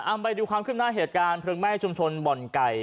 เอาไปดูความขึ้นหน้าเหตุการณ์เพลิงไหม้ชุมชนบ่อนไก่